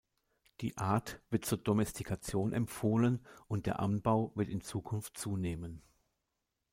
Die Art wird zur Domestikation empfohlen und der Anbau wird in Zukunft zunehmen.